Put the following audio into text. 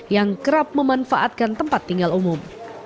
yang kerap memanfaatkan tempat tinggal umum